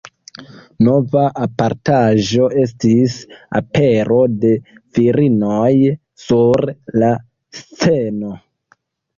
Nova apartaĵo estis apero de virinoj sur la sceno.